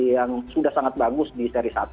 yang sudah sangat bagus di seri satu